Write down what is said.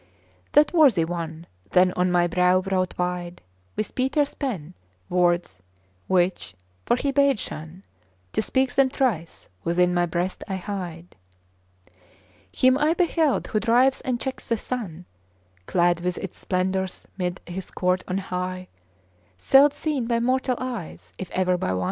That worthy one then on my brow wrote wide With Peter's pen words which for he bade shun To speak them thrice within my breast I hide. Him I beheld who drives and checks the sun, Clad with its splendour 'mid his court on high, Seld seen by mortal eyes, if e'er by one.